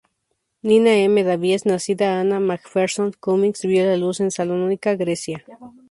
Nina M. Davies, nacida Anna Macpherson Cummings, vio la luz en Salónica, Grecia.